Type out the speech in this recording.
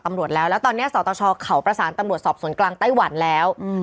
ตำรวจแล้วแล้วตอนนี้สตชเขาประสานตำรวจสอบสวนกลางไต้หวันแล้วอืม